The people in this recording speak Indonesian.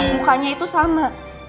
bukannya itu sama